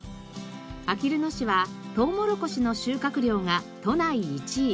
あきる野市はとうもろこしの収穫量が都内１位。